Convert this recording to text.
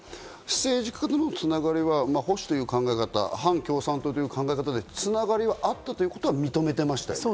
政治家との繋がりは保守という考え方、反共産党という考え方で繋がりはあったということは認めてましたよね。